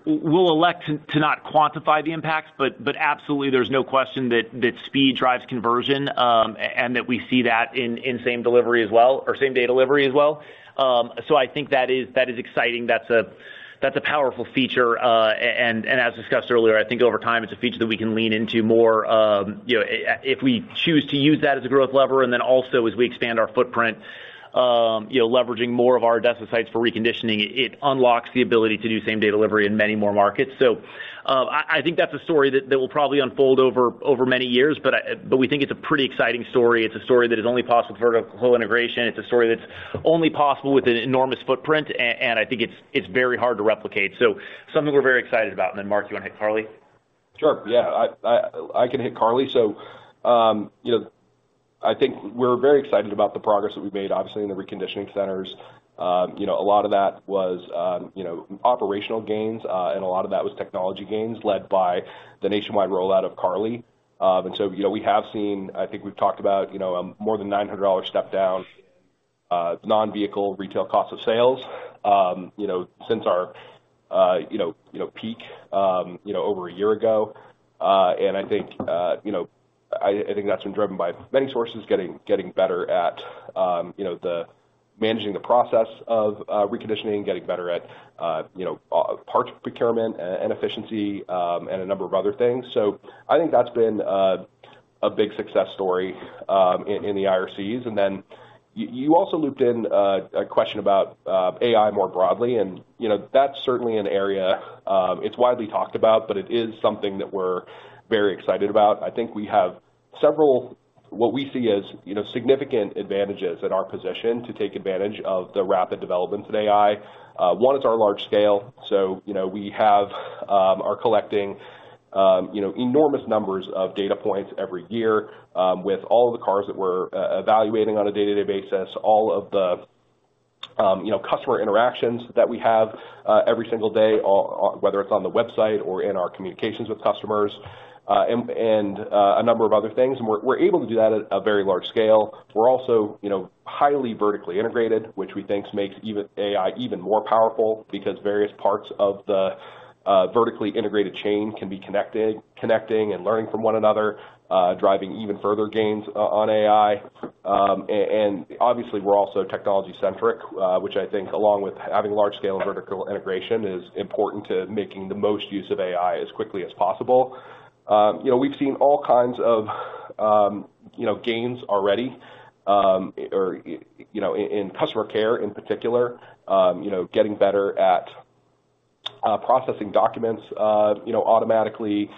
elect to not quantify the impacts. But absolutely, there's no question that speed drives conversion and that we see that in same-day delivery as well or same-day delivery as well. So I think that is exciting. That's a powerful feature. And as discussed earlier, I think over time, it's a feature that we can lean into more if we choose to use that as a growth lever. And then also, as we expand our footprint, leveraging more of our desk sites for reconditioning, it unlocks the ability to do same-day delivery in many more markets. So I think that's a story that will probably unfold over many years. But we think it's a pretty exciting story. It's a story that is only possible for vertical integration. It's a story that's only possible with an enormous footprint. I think it's very hard to replicate. Something we're very excited about. Then, Mark, you want to hit CARLI? Sure. Yeah. I can hit CARLI. So I think we're very excited about the progress that we've made, obviously, in the reconditioning centers. A lot of that was operational gains. And a lot of that was technology gains led by the nationwide rollout of CARLI. And so we have seen, I think we've talked about, a more than $900 step-down non-vehicle retail cost of sales since our peak over a year ago. And I think that's been driven by many sources: getting better at managing the process of reconditioning, getting better at parts procurement and efficiency, and a number of other things. So I think that's been a big success story in the IRCs. And then you also looped in a question about AI more broadly. And that's certainly an area it's widely talked about. But it is something that we're very excited about. I think we have several what we see as significant advantages in our position to take advantage of the rapid development of AI. One, it's our large scale. So we are collecting enormous numbers of data points every year with all of the cars that we're evaluating on a day-to-day basis, all of the customer interactions that we have every single day, whether it's on the website or in our communications with customers, and a number of other things. And we're able to do that at a very large scale. We're also highly vertically integrated, which we think makes AI even more powerful because various parts of the vertically integrated chain can be connecting and learning from one another, driving even further gains on AI. And obviously, we're also technology-centric, which I think, along with having large-scale and vertical integration, is important to making the most use of AI as quickly as possible. We've seen all kinds of gains already in customer care, in particular, getting better at processing documents automatically,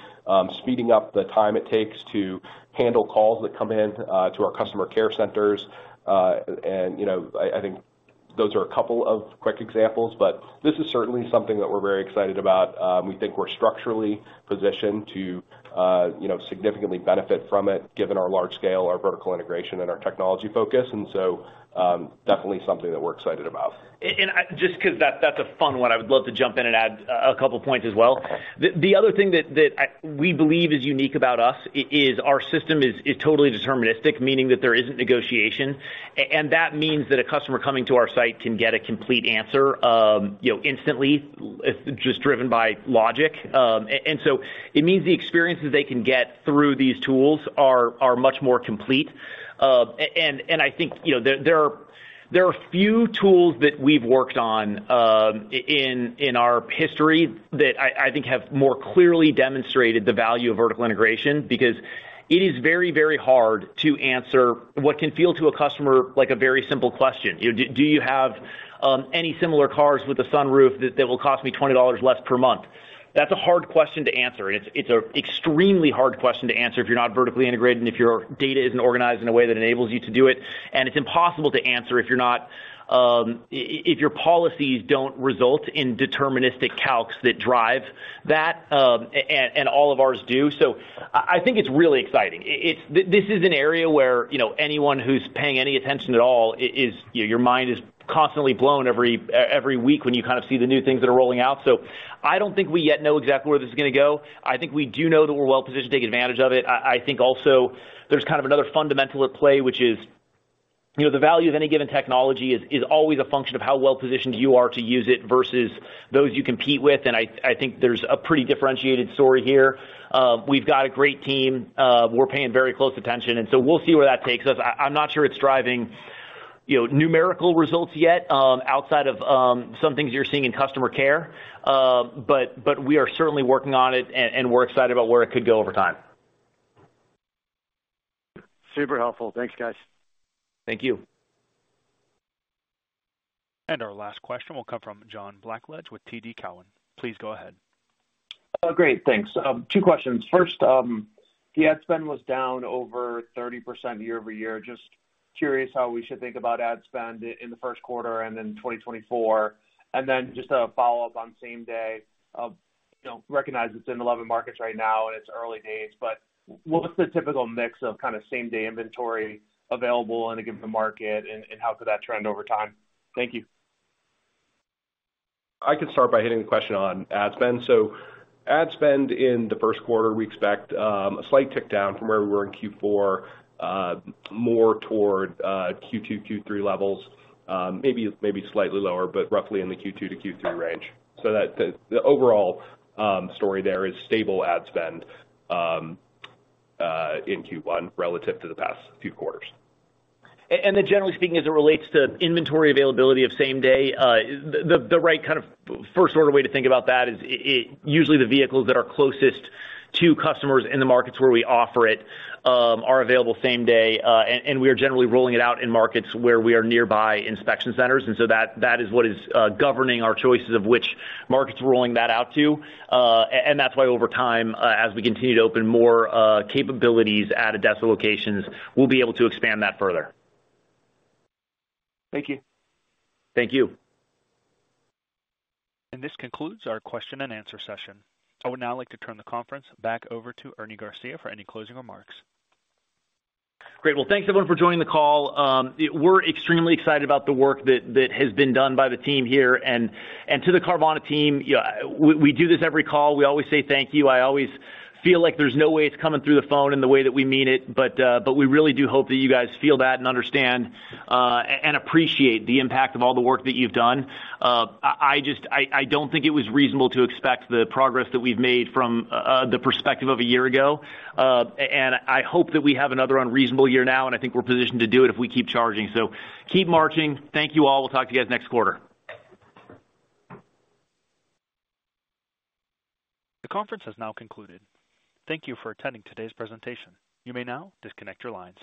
speeding up the time it takes to handle calls that come in to our customer care centers. And I think those are a couple of quick examples. But this is certainly something that we're very excited about. We think we're structurally positioned to significantly benefit from it given our large scale, our vertical integration, and our technology focus. And so definitely something that we're excited about. Just because that's a fun one, I would love to jump in and add a couple of points as well. The other thing that we believe is unique about us is our system is totally deterministic, meaning that there isn't negotiation. And that means that a customer coming to our site can get a complete answer instantly, just driven by logic. And so it means the experiences they can get through these tools are much more complete. And I think there are few tools that we've worked on in our history that I think have more clearly demonstrated the value of vertical integration because it is very, very hard to answer what can feel to a customer like a very simple question. Do you have any similar cars with a sunroof that will cost me $20 less per month? That's a hard question to answer. And it's an extremely hard question to answer if you're not vertically integrated and if your data isn't organized in a way that enables you to do it. And it's impossible to answer if your policies don't result in deterministic calcs that drive that. And all of ours do. So I think it's really exciting. This is an area where anyone who's paying any attention at all, your mind is constantly blown every week when you kind of see the new things that are rolling out. So I don't think we yet know exactly where this is going to go. I think we do know that we're well positioned to take advantage of it. I think also there's kind of another fundamental at play, which is the value of any given technology is always a function of how well positioned you are to use it versus those you compete with. I think there's a pretty differentiated story here. We've got a great team. We're paying very close attention. So we'll see where that takes us. I'm not sure it's driving numerical results yet outside of some things you're seeing in customer care. We are certainly working on it. We're excited about where it could go over time. Super helpful. Thanks, guys. Thank you. Our last question will come from John Blackledge with TD Cowen. Please go ahead. Great. Thanks. Two questions. First, the ad spend was down over 30% year-over-year. Just curious how we should think about ad spend in the first quarter and then 2024. And then just a follow-up on same-day. Recognize it's in 11 markets right now. And it's early days. But what's the typical mix of kind of same-day inventory available in a given market? And how could that trend over time? Thank you. I could start by hitting the question on ad spend. So ad spend in the first quarter, we expect a slight tick down from where we were in Q4, more toward Q2, Q3 levels, maybe slightly lower, but roughly in the Q2 to Q3 range. So the overall story there is stable ad spend in Q1 relative to the past few quarters. And then generally speaking, as it relates to inventory availability of same-day, the right kind of first-order way to think about that is usually the vehicles that are closest to customers in the markets where we offer it are available same-day. And we are generally rolling it out in markets where we are nearby inspection centers. And so that is what is governing our choices of which markets we're rolling that out to. And that's why over time, as we continue to open more capabilities at address locations, we'll be able to expand that further. Thank you. Thank you. This concludes our question-and-answer session. I would now like to turn the conference back over to Ernie Garcia for any closing remarks. Great. Well, thanks, everyone, for joining the call. We're extremely excited about the work that has been done by the team here. And to the Carvana team, we do this every call. We always say thank you. I always feel like there's no way it's coming through the phone in the way that we mean it. But we really do hope that you guys feel that and understand and appreciate the impact of all the work that you've done. I don't think it was reasonable to expect the progress that we've made from the perspective of a year ago. And I hope that we have another unreasonable year now. And I think we're positioned to do it if we keep charging. So keep marching. Thank you all. We'll talk to you guys next quarter. The conference has now concluded. Thank you for attending today's presentation. You may now disconnect your lines.